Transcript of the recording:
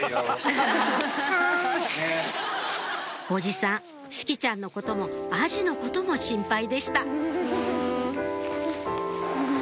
おじさん志葵ちゃんのこともアジのことも心配でした